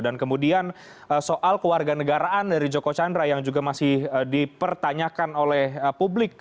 dan kemudian soal keluarga negaraan dari joko chandra yang juga masih dipertanyakan oleh publik